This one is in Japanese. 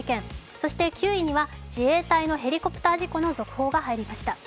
そして９位には自衛隊のヘリコプター事故のニュースが入りました。